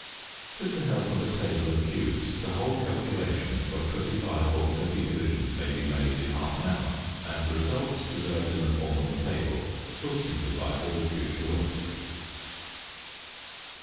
With the help of a table of cubes the whole calculation for 25 or 30 divisions may be made in half an hour, and the results preserved in the form of a table will simplify all future work.